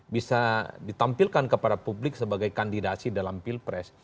bisa ditampilkan kepada publik sebagai kandidasi dalam pilpres